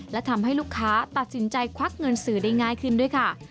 และทำให้ลูกค้าตัดสินใจควักเงินสื่อได้ง่ายขึ้นด้วยค่ะ